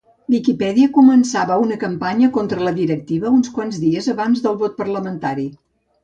Wikipedia començava una campanya contra la directiva uns quants dies abans del vot parlamentari.